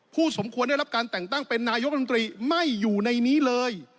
สมควรได้รับการแต่งตั้งเป็นนายกรรมตรีไม่อยู่ในนี้เลย